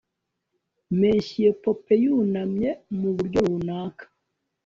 Monsieur Popain yunamye mu buryo runaka